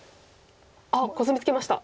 あっコスミツケました。